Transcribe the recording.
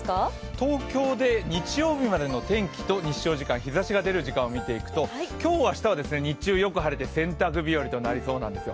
東京で日曜日までの天気と日照時間、日ざしが出る時間を見ていくと今日、明日は日中よく晴れて洗濯日和となりそうなんですよね。